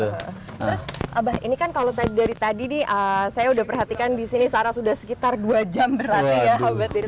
terus abah ini kan kalau dari tadi nih saya udah perhatikan di sini sarah sudah sekitar dua jam berlatih ya abah